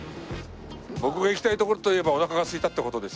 僕が行きたい所といえばおなかがすいたって事ですよ。